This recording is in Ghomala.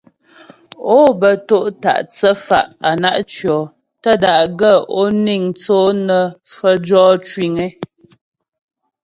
Ó bə to' ta' thə́fa' á na' tʉɔ, tə́ da'gaə́ ó niŋ thə́ ǒ nə́ cwə jɔ cwiŋ ée.